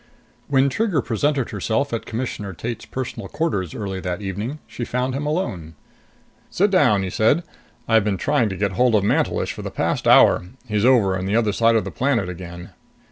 When Trigger presented herself at Commissioner Tate's personal quarters early that evening, she found him alone. "Sit down," he said. "I've been trying to get hold of Mantelish for the past hour. He's over on the other side of the planet again."